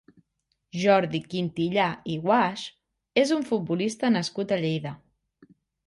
Jordi Quintillà i Guasch és un futbolista nascut a Lleida.